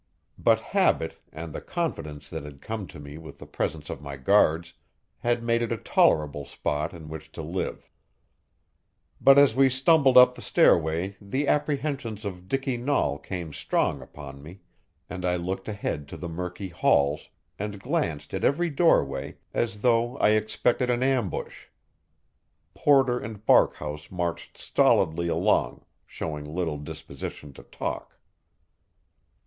But habit, and the confidence that had come to me with the presence of my guards, had made it a tolerable spot in which to live. But as we stumbled up the stairway the apprehensions of Dicky Nahl came strong upon me, and I looked ahead to the murky halls, and glanced at every doorway, as though I expected an ambush. Porter and Barkhouse marched stolidly along, showing little disposition to talk.